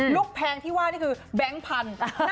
ลูกแพงที่ว่านี่คือแบงค์พัน